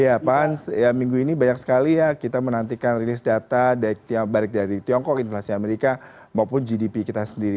ya pak hans minggu ini banyak sekali ya kita menantikan rilis data baik dari tiongkok inflasi amerika maupun gdp kita sendiri